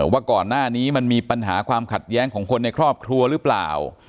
ว่าก่อนหน้านี้มันมีปัญหาความขัดแย้งของคนในครอบครัวหรือเปล่า